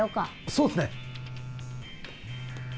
そうっすね。